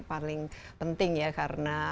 paling penting ya karena